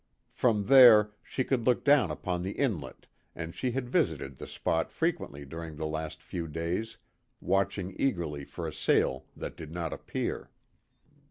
From there she could look down upon the inlet and she had visited the spot frequently during the last few days, watching eagerly for a sail that did not appear.